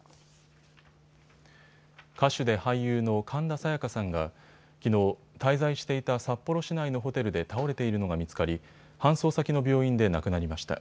歌手で俳優の神田沙也加さんがきのう、滞在していた札幌市内のホテルで倒れているのが見つかり搬送先の病院で亡くなりました。